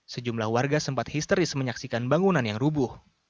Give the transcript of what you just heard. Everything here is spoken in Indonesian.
sejumlah warga sempat histeris menyaksikan bangunan yang rubuh